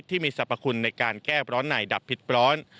ที่มีสรรพคุณในการแก้ร้อนในดับผิดร้อน